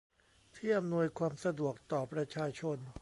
ที่อำนวยความสะดวกต่อประชาชน